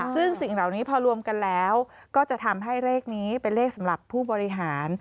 ซึ่งสิ่งเหล่านี้พอรวมกันแล้วก็จะทำให้เลขนี้เป็นเลขสำหรับผู้บริหาร